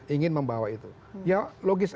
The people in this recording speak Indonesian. ingin membawa itu ya logis